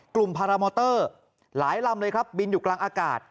พารามอเตอร์หลายลำเลยครับบินอยู่กลางอากาศ